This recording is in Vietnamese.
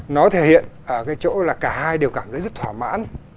nó thể hiện ở cái chỗ là cả hai đều cảm thấy rất thỏa mãn